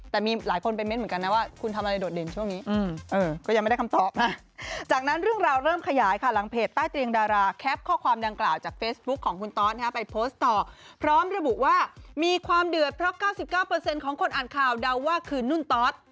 แต่มีหลายคนเป็นเม้นเหมือนกันนะว่าคุณทำอะไรโดดเด่นช่วงนี้